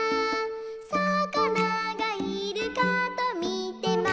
「さかながいるかとみてました」